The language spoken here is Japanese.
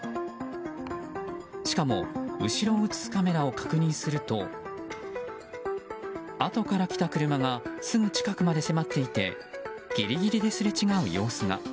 しかも後ろを映すカメラを確認するとあとから来た車がすぐ近くまで迫っていてギリギリですれ違う様子が。